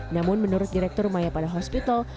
namun menurut direktur maya pada hospital